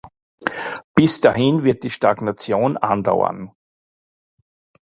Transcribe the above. Bis dahin wird die Stagnation andauern.